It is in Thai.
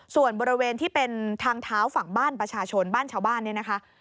ส่วนบริเวณที่เป็นทางเท้าฝั่งบ้านประชาชนบ้านชาวบ้านเนี่ยนะคะ